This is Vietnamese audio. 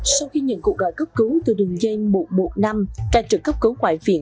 sau khi nhận cuộc gọi cấp cứu từ đường dây một trăm một mươi năm ca trực cấp cứu ngoại viện